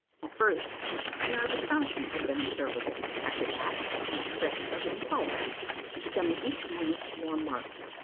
At first, an air of astonishment had been observable; after that, an expression of inquietude becoming each moment more marked.